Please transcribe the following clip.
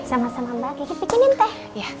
sama sama mbak kiki pikunin teh